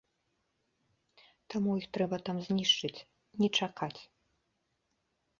Таму іх трэба там знішчыць, не чакаць.